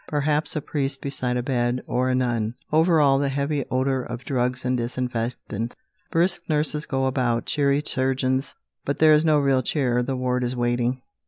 Perhaps a priest beside a bed, or a nun. Over all, the heavy odour of drugs and disinfectants. Brisk nurses go about, cheery surgeons, but there is no real cheer. The ward is waiting.